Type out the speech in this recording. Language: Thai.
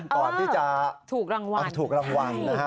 ก่อนที่จะถูกรางวัล